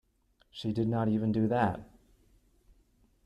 She did not even do that!